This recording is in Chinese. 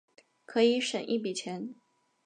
可以省一笔钱